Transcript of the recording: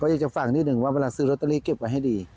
อยากจะฟังนิดนึงว่าเวลาซื้อลอตเตอรี่เก็บไว้ให้ดี